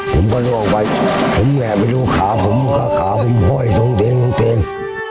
ผมก็ล่วงไปผมแห่งไปดูขาผมค่าขาผมค่อยทรงเตียง